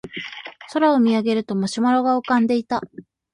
空を見上げるとマシュマロが浮かんでいた